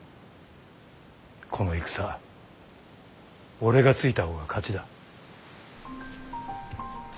この戦俺がついた方が勝ちだ。